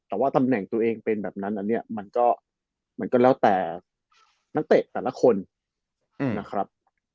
แต่ว่าตำแหน่งตัวเองเป็นแบบนั้นอันนี้มันก็แล้วแต่นักเตะแต่ละคนนะครับ